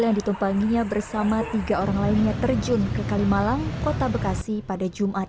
yang ditumpanginya bersama tiga orang lainnya terjun ke kalimalang kota bekasi pada jumat